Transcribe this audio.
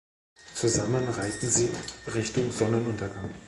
Zusammen reiten sie Richtung Sonnenuntergang.